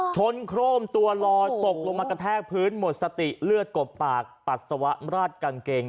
โครงตัวลอยตกลงมากระแทกพื้นหมดสติเลือดกบปากปัสสาวะราดกางเกง